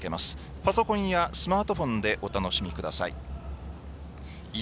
パソコンやスマートフォンでお楽しみください。